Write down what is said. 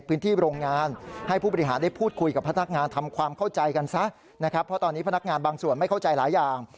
เพราะตอนนี้พนักงานบางส่วนไม่เข้าใจหลายอย่าง